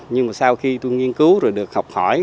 nhưng mà sau khi tôi nghiên cứu rồi được học hỏi